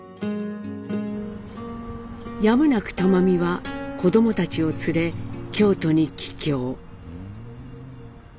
やむなく玉美は子どもたちを連れ京都に帰郷。